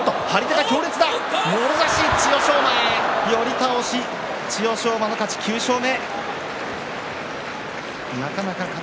寄り倒し、千代翔馬９勝目。